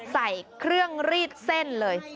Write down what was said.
ใส่เครื่องรีดเส้นเลย